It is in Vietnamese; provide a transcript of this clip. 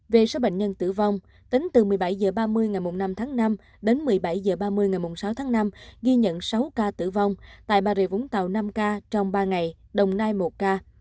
về số bệnh nhân tử vong tính từ một mươi bảy h ba mươi ngày năm tháng năm đến một mươi bảy h ba mươi ngày sáu tháng năm ghi nhận sáu ca tử vong tại bà rịa vũng tàu năm ca trong ba ngày đồng nai một ca